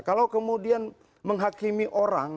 kalau kemudian menghakimi orang